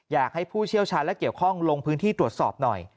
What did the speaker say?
อยากให้ผู้เชี่ยวชาญและเกี่ยวข้องลงพื้นที่ตรวจสอบหน่อย